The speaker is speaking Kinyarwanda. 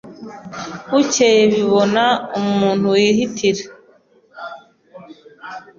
Bukeye bibona umuntu wihitira